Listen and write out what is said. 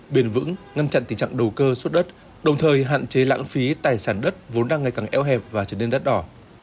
bền vững ngăn chặn tình trạng đầu cơ suốt đất đồng thời hạn chế lãng phí tài sản đất vốn đang ngày càng eo hẹp và trở nên đất đỏ